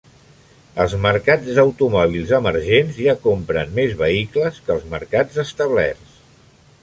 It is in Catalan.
Els mercats d'automòbils emergents ja compren més vehicles que els mercats establerts.